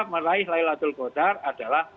meraih laylatul kodar adalah